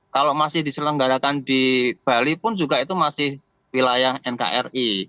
kalau masih diselenggarakan di bali pun juga itu masih wilayah nkri